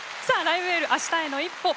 「ライブ・エール明日への一歩」。